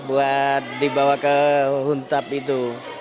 buat dibawa ke huntap itu